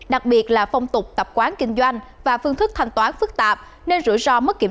đặc biệt là phong tục tập quán kinh doanh và phương thức thanh toán phức tạp nên rủi ro mất kiểm